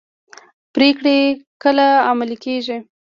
پریکړې کله عملي کیږي؟